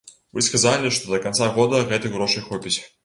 Вы сказалі, што да канца года гэтых грошай хопіць.